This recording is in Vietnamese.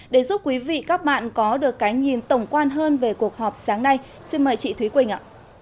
để giúp quý vị các bạn có được cái nhìn tổng quan hơn về cuộc họp sáng nay xin mời chị thúy quỳnh ạ